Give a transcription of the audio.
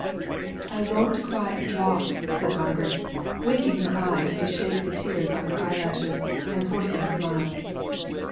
"I won't cry a drop," said Margaret, winking her eyes to shake the tears off her eyelashes, and forcing a smile.